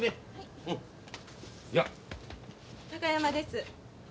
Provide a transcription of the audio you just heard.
高山です。